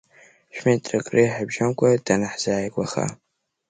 Шә-метрак реиҳа бжьамкәа данаҳзааигәаха…